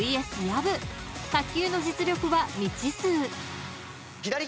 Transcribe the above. ［卓球の実力は未知数］